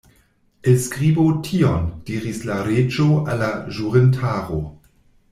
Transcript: "Elskribu tion," diris la Reĝo al la ĵurintaro.